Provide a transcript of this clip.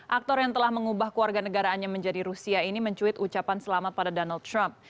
aktor yang telah mengubah keluarga negaraannya menjadi rusia ini mencuit ucapan selamat pada donald trump